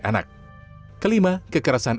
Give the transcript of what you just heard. anak kelima kekerasan